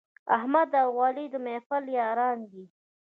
احمد او علي د محفل یاران دي.